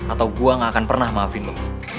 atau gue gak akan pernah maafin lo